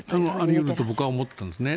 あり得ると僕は思ったんですね。